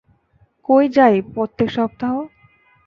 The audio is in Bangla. কই যাই প্রত্যেক সপ্তাহ?